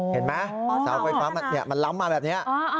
เห็นไหมเสาไฟฟ้ามันล้ำมาแบบนี้